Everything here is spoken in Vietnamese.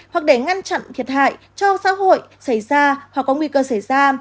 hoặc để ngăn chặn thiệt hại cho xã hội xảy ra hoặc có nguy cơ xảy ra